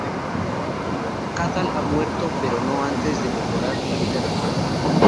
Cathal ha muerto, pero no antes de mejorar la vida de Fred.